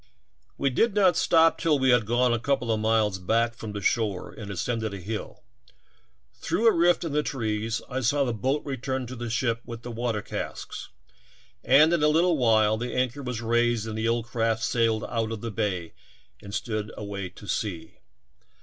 We did not stop till we had gone a couple of miles back from the shore and ascended a hill. Through a rift in the trees I saw the boat return to the ship with the water casks and in a little while the anchor was raised and the old craft sailed out of the bay and stood away to sea.